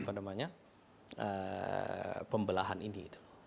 yang kuat akibat pembelahan ini